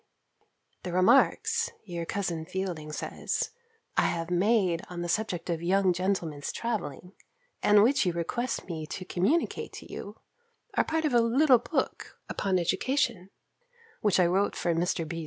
The remarks, your cousin Fielding says, I have made on the subject of young gentlemen's travelling, and which you request me to communicate to you, are part of a little book upon education, which I wrote for Mr. B.'